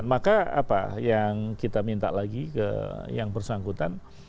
maka apa yang kita minta lagi ke yang bersangkutan